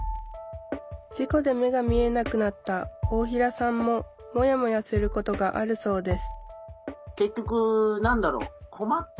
事故で目が見えなくなった大平さんもモヤモヤすることがあるそうです